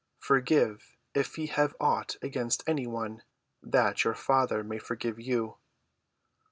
"Forgive, if ye have aught against any one; that your Father may forgive you."